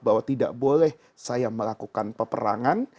bahwa tidak boleh saya melakukan peperangan